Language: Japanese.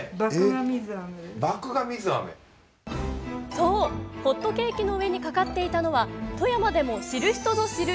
そう、ホットケーキの上にかかっていたのは富山でも知る人ぞ知る